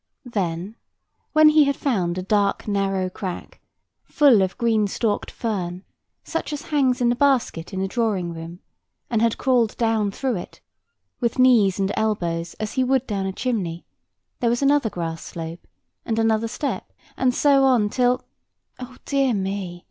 Then, when he had found a dark narrow crack, full of green stalked fern, such as hangs in the basket in the drawing room, and had crawled down through it, with knees and elbows, as he would down a chimney, there was another grass slope, and another step, and so on, till—oh, dear me!